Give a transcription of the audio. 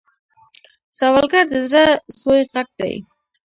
سوالګر د زړه سوې غږ دی